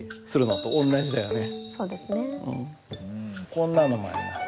こんなのもあります。